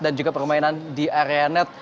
dan juga permainan di area net